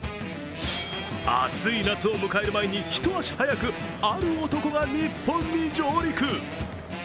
熱い夏を迎える前に一足早くある男が日本に上陸。